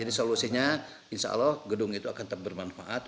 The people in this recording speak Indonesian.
jadi solusinya insya allah gedung itu akan tetap bermanfaat